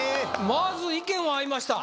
まず意見は合いました